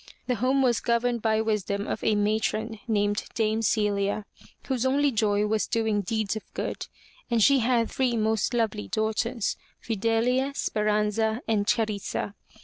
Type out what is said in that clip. The home was governed by wisdom of a matron named Dame Celia, whose only joy was doing deeds of good, and she had three most lovely daughters, Fi del'l a, Sper an'za, and Cha ris'sa.